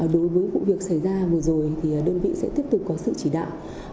đối với vụ việc xảy ra vừa rồi thì đơn vị sẽ tiếp tục có sự chỉ đạo